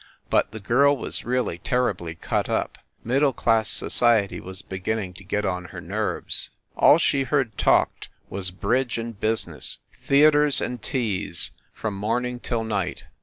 But the girl was really terribly cut up. Middle class society was be ginning to get on her nerves. All she heard talked was bridge and business, theaters and teas, from morning till night.